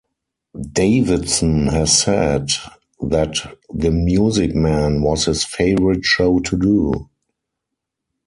Davidson has said that "The Music Man" was his favorite show to do.